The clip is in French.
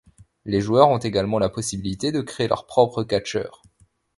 Les joueurs ont également la possibilité de créer leur propre catcheur.